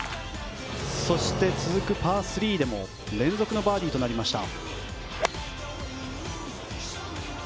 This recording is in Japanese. そして続くパー３でも連続のバーディーとなりました。